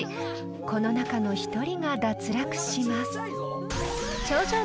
［この中の１人が脱落します］